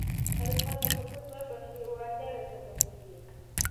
کله چې ښځو ته فرصت ورکړل شي، وړتیاوې راڅرګندېږي.